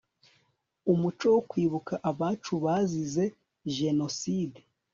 umuco wo kwibuka abacu bazize jenoside